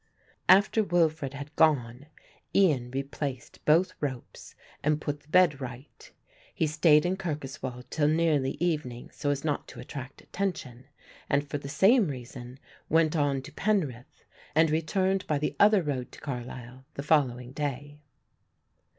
After Wilfred had gone, Ian replaced both ropes and put the bed right. He stayed in Kirkoswald till nearly evening so as not to attract attention, and for the same reason went on to Penrith and returned by the other road to Carlisle the following day.